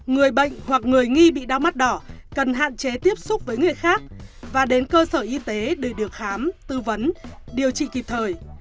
người bệnh hoặc người nghi bị đau mắt đỏ cần hạn chế tiếp xúc với người khác và đến cơ sở y tế để được khám tư vấn điều trị kịp thời